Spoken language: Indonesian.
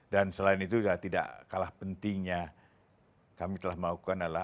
dan selain itu tidak kalah pentingnya kami telah melakukan adalah